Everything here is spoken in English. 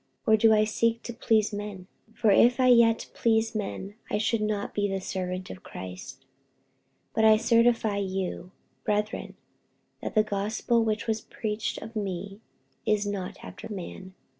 or do I seek to please men? for if I yet pleased men, I should not be the servant of Christ. 48:001:011 But I certify you, brethren, that the gospel which was preached of me is not after man.